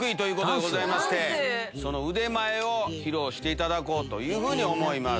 その腕前を披露していただこうと思います。